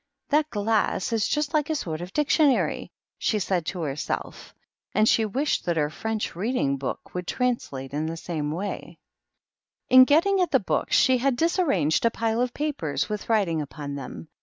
"That glass is ju like a sort of dictionary," she said to hersel and she wished that her French reading bo< would translate in the same way. THE MOCJK TURTLE. 235 In getting at the books she had disarranged a pile of papers, with writing upon them.